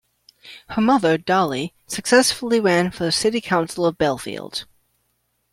Her mother Dolly successfully ran for city council of Bellefield.